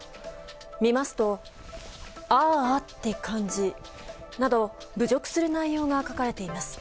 見ますと「あーあって感じ」など侮辱する内容が書かれています。